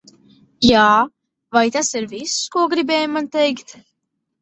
Jā, vai tas ir viss, ko gribēji man teikt?